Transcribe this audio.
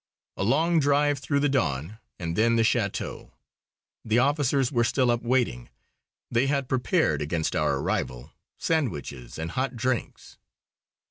A long drive through the dawn, and then the "château." The officers were still up, waiting. They had prepared, against our arrival, sandwiches and hot drinks.